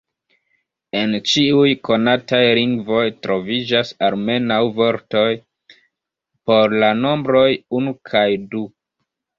En ĉiuj konataj lingvoj troviĝas almenaŭ vortoj por la nombroj unu kaj du.